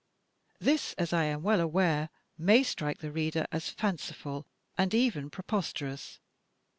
This, as I am well aware, may strike the reader as fanciful and even preposterous.